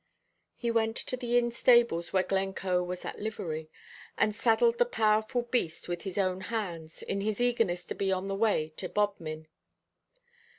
He went to the inn stables where Glencoe was at livery, and saddled the powerful beast with his own hands, in his eagerness to be on the way to Bodmin.